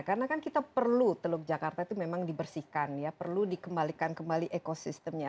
karena kan kita perlu teluk jakarta itu memang dibersihkan ya perlu dikembalikan kembali ekosistemnya